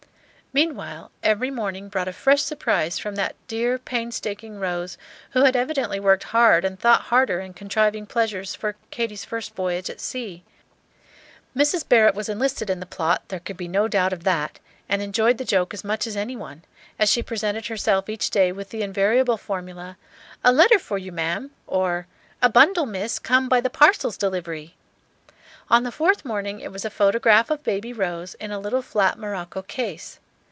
Meanwhile, every morning brought a fresh surprise from that dear, painstaking Rose, who had evidently worked hard and thought harder in contriving pleasures for Katy's first voyage at sea. Mrs. Barrett was enlisted in the plot, there could be no doubt of that, and enjoyed the joke as much as any one, as she presented herself each day with the invariable formula, "A letter for you, ma'am," or "A bundle, Miss, come by the Parcels Delivery." On the fourth morning it was a photograph of Baby Rose, in a little flat morocco case.